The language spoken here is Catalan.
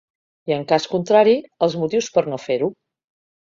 I, en cas contrari, els motius per no fer-ho.